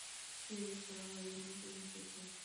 সে শহরে নতুন এসেছে।